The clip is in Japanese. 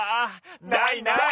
ないない。